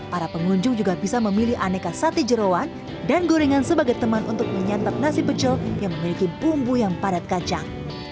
para pengunjung juga bisa memilih aneka sate jerawan dan gorengan sebagai teman untuk menyantap nasi pecel yang memiliki bumbu yang padat kacang